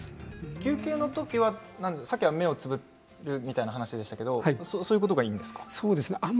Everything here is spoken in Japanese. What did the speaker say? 休憩のときはさっきは目をつぶっていると言っていましたがそういうことがいいんですか？